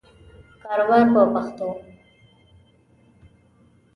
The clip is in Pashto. کاروبار په پښتو.